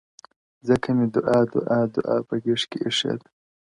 ځكه مي دعا، دعا، دعا په غېږ كي ايښې ده.